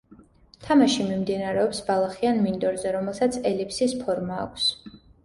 თამაში მიმდინარეობს ბალახიან მინდორზე, რომელსაც ელიფსის ფორმა აქვს.